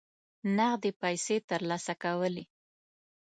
نغدي پیسې ترلاسه کولې.